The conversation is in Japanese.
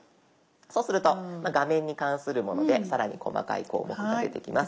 そうすると画面に関するもので更に細かい項目が出てきます。